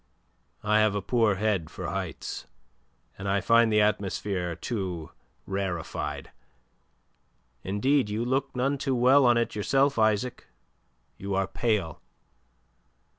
"I have a poor head for heights, and I find the atmosphere too rarefied. Indeed, you look none too well on it yourself, Isaac. You are pale."